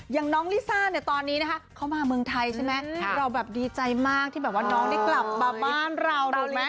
อย่างน้องลิซ่าเนี่ยตอนนี้นะคะเขามาเมืองไทยใช่ไหมเราแบบดีใจมากที่แบบว่าน้องได้กลับมาบ้านเราโดนไหม